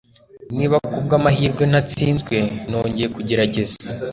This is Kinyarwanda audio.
Niba kubwamahirwe natsinzwe, nongeye kugerageza.